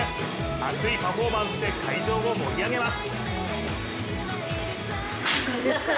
熱いパフォーマンスで会場を盛り上げます。